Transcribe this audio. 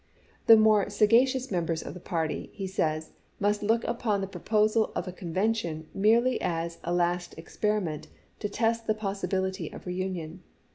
" The more saga cious members of the party," he says, " must look upon the proposal of a Convention merely as a last experiment to test the possibility of reunion.